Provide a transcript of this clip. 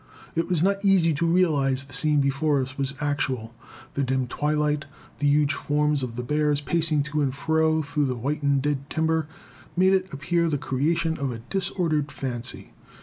It was not easy to realize the scene before us was actual. The dim twilight, the huge forms of the bears pacing to and fro through the whitened dead timber, made it appear the creation of a disordered fancy.